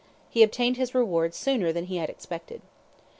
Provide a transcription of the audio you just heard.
He obtained his reward sooner than he expected.